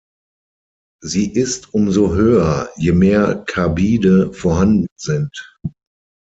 Sie ist umso höher, je mehr Carbide vorhanden sind.